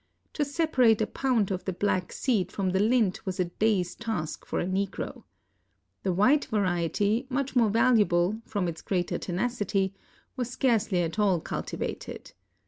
To separate a pound of the black seed from the lint was a day's task for a negro. The white variety, much more valuable, from its greater tenacity, was scarcely at all cul tivated.